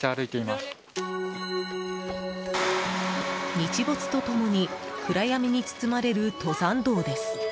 日没と共に暗闇に包まれる登山道です。